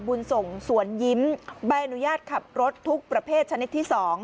บุญส่งสวนยิ้มใบอนุญาตขับรถทุกประเภทชนิดที่๒